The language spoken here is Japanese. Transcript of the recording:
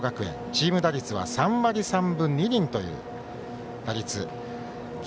チーム打率は３割３分２厘という打率。